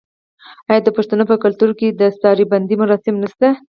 آیا د پښتنو په کلتور کې د دستار بندی مراسم نشته؟